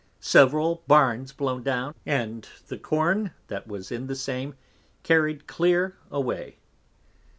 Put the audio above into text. Several Barns blown down, and the Corn that was in the same carried clear away.